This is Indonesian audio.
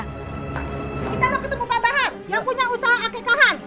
kita mau ketemu pak bahar yang punya usaha akekahan